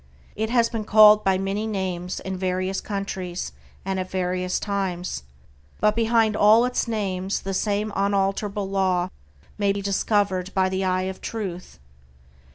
It has been called by many names in various countries and at various times, but behind all its names the same unalterable Law may be discovered by the eye of Truth.